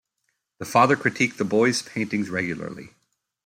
The father critiqued the boys' paintings regularly.